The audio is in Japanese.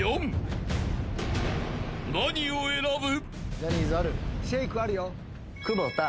［何を選ぶ？］